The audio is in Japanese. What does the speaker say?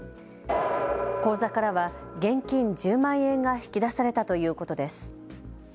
口座からは現金１０万円が引き出されたということです。